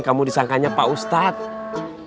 kamu disangkanya pak ustadz